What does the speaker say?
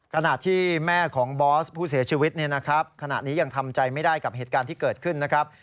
ขณะที่แม่ของบอสผู้เสียชีวิตเนี่ยนะครับขณะนี้ยังทำใจไม่ได้กับเหตุการณ์ที่เกิดขึ้นนะครับ